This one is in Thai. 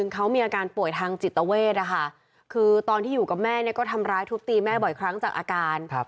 เขามีอาการป่วยทางจิตเวทนะคะคือตอนที่อยู่กับแม่เนี่ยก็ทำร้ายทุบตีแม่บ่อยครั้งจากอาการ